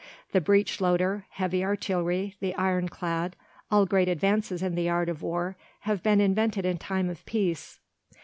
The breech loader, heavy artillery, the ironclad, all great advances in the art of war, have been invented in time of peace.